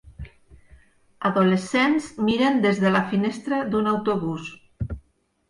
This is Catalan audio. Adolescents miren des de la finestra d'un autobús